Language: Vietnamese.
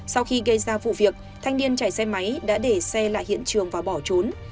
sau khi gây ra vụ việc thanh niên chạy xe máy đã để xe lại hiện trường và bỏ trốn